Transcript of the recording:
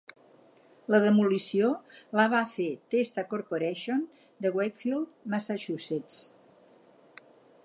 La demolició la va fer Testa Corporation de Wakefield, Massachusetts.